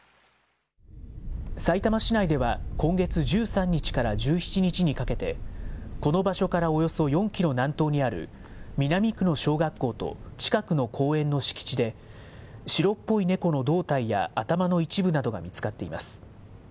さいたま市内では今月１３日から１７日にかけて、この場所からおよそ４キロ南東にある南区の小学校と近くの公園の敷地で、白っぽい猫の胴体や頭の一部などが見つかっています。